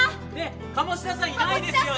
鴨志田さんいないですよね？